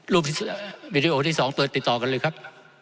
รูปวิดีโอที่สองติดต่อกันเลยครับ